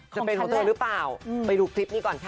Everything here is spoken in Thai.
จะเป็นของเธอหรือเปล่าไปดูคลิปนี้ก่อนค่ะ